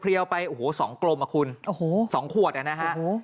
เรียวไปโอ้โหสองกลมอ่ะคุณโอ้โหสองขวดอ่ะนะฮะ